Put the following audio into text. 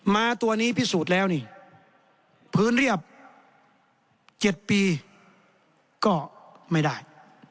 ้าตัวนี้พิสูจน์แล้วนี่พื้นเรียบ๗ปีก็ไม่ได้